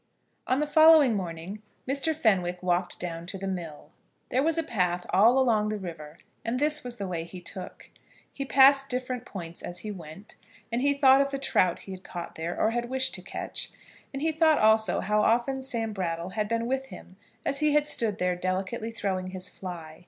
On the following morning Mr. Fenwick walked down to the mill. There was a path all along the river, and this was the way he took. He passed different points as he went, and he thought of the trout he had caught there, or had wished to catch, and he thought also how often Sam Brattle had been with him as he had stood there delicately throwing his fly.